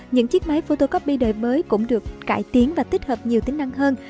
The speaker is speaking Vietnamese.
những chiếc máy photocopy đời mới cũng được cải tiến và tích hợp nhiều tính năng hơn